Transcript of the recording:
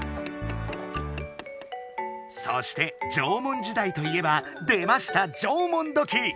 そして縄文時代といえば出ました縄文土器！